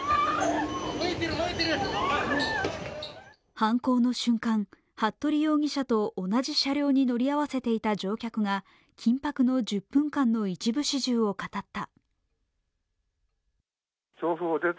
犯行の瞬間、服部容疑者と同じ車両に乗り合わせていた乗客が緊迫の１０分間の一部始終を語った。